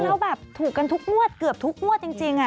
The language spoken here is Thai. แล้วแบบถูกกันทุกงวดเกือบทุกงวดจริง